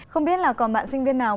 không biết là còn bạn sinh viên nào